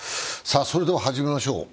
それでは始めましょう。